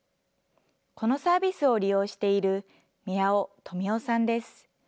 このサービスを利用している宮尾富夫さんです。